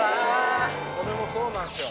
これもそうなんすよ。